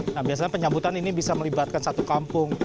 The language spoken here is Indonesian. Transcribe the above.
nah biasanya penyambutan ini bisa melibatkan satu kampung